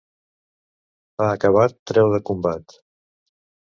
Pa acabat treu de combat.